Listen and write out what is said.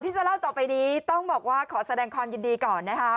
จะเล่าต่อไปนี้ต้องบอกว่าขอแสดงความยินดีก่อนนะคะ